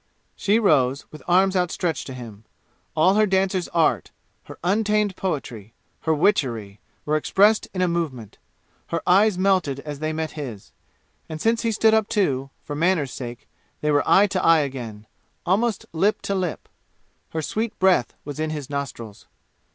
She rose, with arms outstretched to him. All her dancer's art, her untamed poetry, her witchery, were expressed in a movement. Her eyes melted as they met his. And since he stood up, too, for manner's sake, they were eye to eye again almost lip to lip. Her sweet breath was in his nostrils.